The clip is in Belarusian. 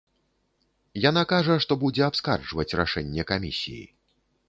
Яна кажа, што будзе абскарджваць рашэнне камісіі.